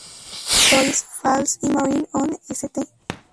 Croix Falls y Marine on St.